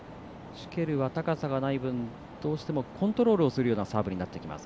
シュケルは高さがない分どうしてもコントロールをしするようなサーブになってきます。